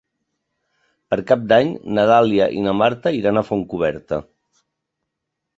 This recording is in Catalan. Per Cap d'Any na Dàlia i na Marta iran a Fontcoberta.